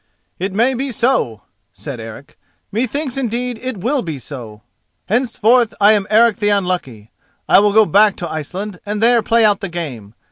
"It may be so," said Eric. "Methinks, indeed, it will be so. Henceforth I am Eric the Unlucky. I will go back to Iceland and there play out the game.